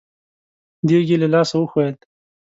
دېګ يې له لاسه وښوېد.